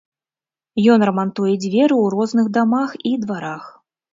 Ён рамантуе дзверы ў розных дамах і дварах.